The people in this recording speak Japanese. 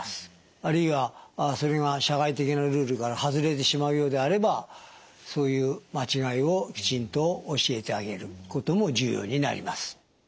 あるいはそれが社会的なルールからはずれてしまうようであればそういう間違いをきちんと教えてあげることも重要になります。